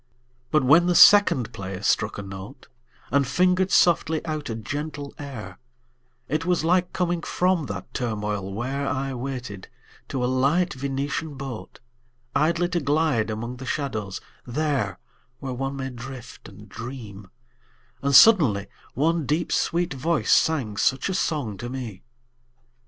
II. But when the second player struck a note And fingered softly out a gentle air It was like coming from that turmoil where I waited, to a light Venetian boat, Idly to glide among the shadows, there Where one may drift and dream; and suddenly One deep sweet voice sang such a song to me.